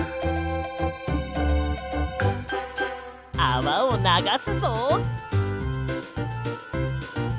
あわをながすぞ！